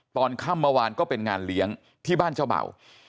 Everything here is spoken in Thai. ตอนค่ำเมื่อวานก็เป็นงานเลี้ยงที่บ้านเจ้าเบ่า